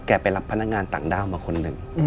ไปรับพนักงานต่างด้าวมาคนหนึ่ง